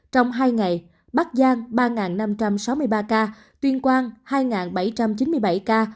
trong hai ngày bắc giang ba năm trăm sáu mươi ba ca tuyên quang hai bảy trăm chín mươi bảy ca